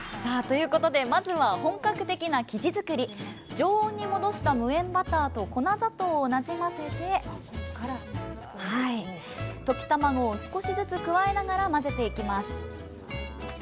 常温に戻した無塩バターと粉砂糖をなじませて溶き卵を少しずつ加えながら混ぜていきます。